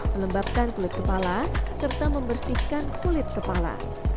melembabkan kulit kepala serta membersihkan kulit kepala